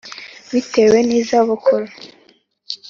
Bitewe n iza bukuru